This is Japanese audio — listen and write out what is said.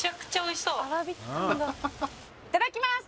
いただきます